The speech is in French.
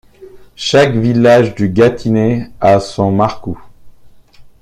Chaque village du Gâtinais a son marcou.